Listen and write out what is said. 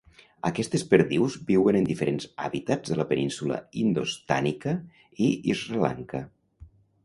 Aquestes perdius viuen en diferents hàbitats de la Península indostànica i Sri Lanka.